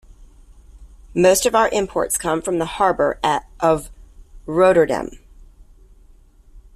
Most of our imports come from the harbor of Rotterdam.